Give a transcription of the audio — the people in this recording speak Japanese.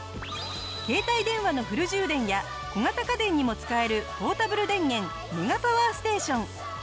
携帯電話のフル充電や小型家電にも使えるポータブル電源メガパワーステーション。